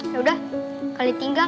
ya udah kali tinggal